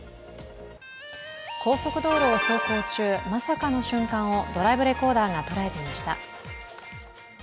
高速道路を走行中まさかの瞬間を、ドライブレコーダーが捉えていました。